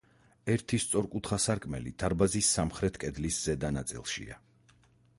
ერთი სწორკუთხა სარკმელი დარბაზის სამხრეთ კედლის ზედა ნაწილშია.